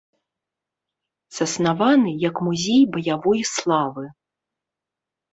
Заснаваны як музей баявой славы.